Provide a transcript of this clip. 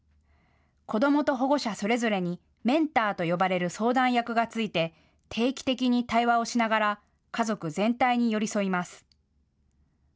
子どもと保護者、それぞれにメンターと呼ばれる相談役がついて定期的に対話をしながら家族全体に寄り添います。